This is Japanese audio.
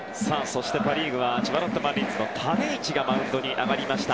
パ・リーグは千葉ロッテマリーンズの種市がマウンドに上がりました。